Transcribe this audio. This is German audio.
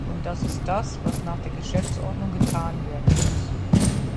Und das ist das, was nach der Geschäftsordnung getan werden muss.